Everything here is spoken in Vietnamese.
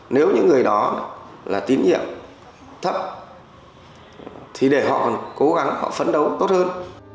nếu những người đó là tín nhiệm thấp thì để họ cố gắng họ phấn đấu tốt hơn